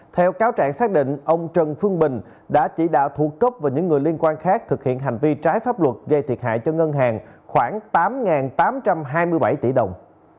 theo cáo trạng xác định ông trần phương bình đã chỉ đạo thuộc cấp và những người liên quan khác thực hiện hành vi trái pháp luật gây thiệt hại cho ngân hàng khoảng tám tám trăm hai mươi bảy tỷ đồng